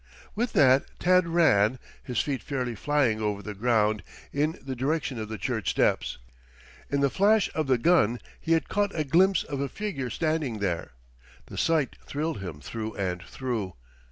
With that Tad ran, his feet fairly flying over the ground, in the direction of the church steps. In the flash of the gun he had caught a glimpse of a figure standing there. The sight thrilled him through and through.